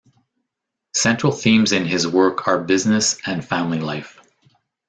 Central themes in his work are business and family life.